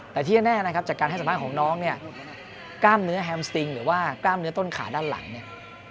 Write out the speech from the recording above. แต่ที่แน่นะครับจากการให้สัมภาษณ์ของน้องเนี่ยกล้ามเนื้อแฮมสติงหรือว่ากล้ามเนื้อต้นขาด้านหลังเนี่ย